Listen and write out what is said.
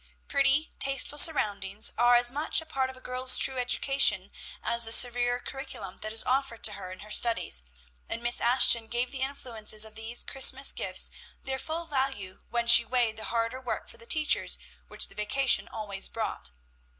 Pretty, tasteful surroundings are as much a part of a girl's true education as the severer curriculum that is offered to her in her studies, and Miss Ashton gave the influences of these Christmas gifts their full value when she weighed the harder work for the teachers which the vacation always brought.